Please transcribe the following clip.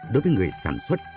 đối với người sản xuất